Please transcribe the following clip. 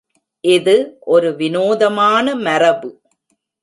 இது ஒரு வினோதமான மரபு.